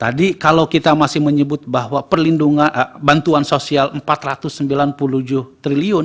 tadi kalau kita masih menyebut bahwa perlindungan bantuan sosial rp empat ratus sembilan puluh tujuh triliun